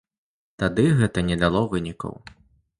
Тады гэта не дало вынікаў.